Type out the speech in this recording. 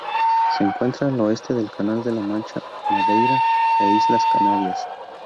Se encuentra al oeste del Canal de la Mancha, Madeira e Islas Canarias.